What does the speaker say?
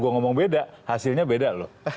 gue ngomong beda hasilnya beda loh